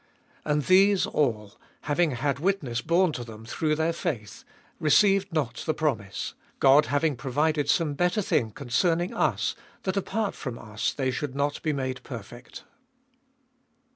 XI.— 39. And these all, having had witness borne to them through their faith, received not the promise, 40. God having provided some better thing concerning us, that apart from us, they should not be made perfect.